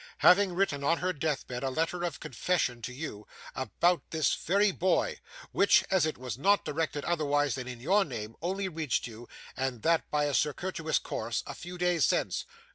'Having written on her death bed a letter or confession to you, about this very boy, which, as it was not directed otherwise than in your name, only reached you, and that by a circuitous course, a few days since?